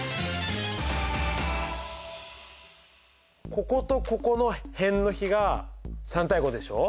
こことここの辺の比が３：５でしょう。